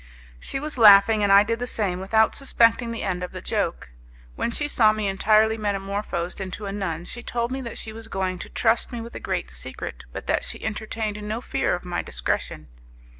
She was laughing; and I did the same without suspecting the end of the joke. When she saw me entirely metamorphosed into a nun, she told me that she was going to trust me with a great secret, but that she entertained no fear of my discretion.